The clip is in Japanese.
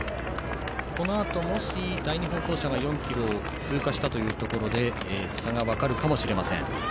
このあと、第２放送車が４ｋｍを通過したところで差が分かるかもしれません。